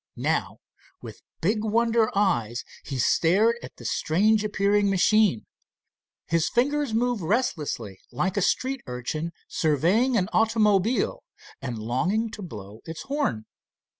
Now, with big wonder eyes he stared at the strange appearing machine. His fingers moved restlessly, like a street urchin surveying an automobile and longing to blow its horn.